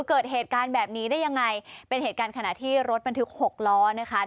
เกิดเหตุการณ์แบบนี้ได้ยังไงเป็นเหตุการณ์ขณะที่รถบรรทุกหกล้อนะคะ